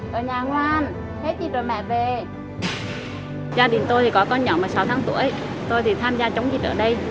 gia đình tôi có con nhỏ mà sáu tháng tuổi tôi thì tham gia chống dịch ở đây